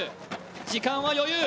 時間は余裕。